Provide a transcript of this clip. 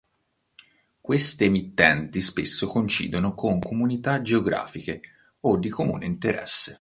Queste emittenti spesso coincidono con comunità geografiche o di comune interesse.